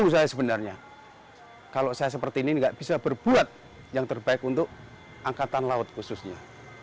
sebenarnya kalau saya seperti ini nggak bisa berbuat yang terbaik untuk angkatan laut khususnya